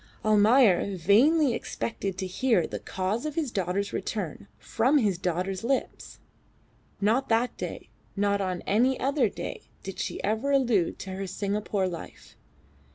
Almayer vainly expected to hear of the cause of his daughter's return from his daughter's lips. Not that day, not on any other day did she ever allude to her Singapore life.